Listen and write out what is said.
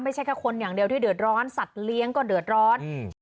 ไม่ใช่แค่คนอย่างเดียวที่เดือดร้อนสัตว์เลี้ยงก็เดือดร้อนอืม